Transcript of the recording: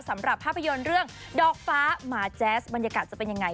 สำหรับภาพยนตร์เรื่องดอกฟ้าหมาแจ๊สบรรยากาศจะเป็นยังไง